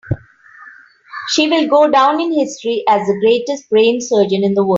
She will go down in history as the greatest brain surgeon in the world.